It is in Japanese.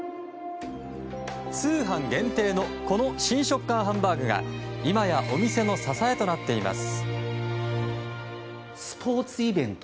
通販限定のこの新食感ハンバーグが今やお店の支えとなっています。